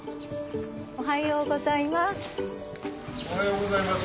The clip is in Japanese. おはようございます。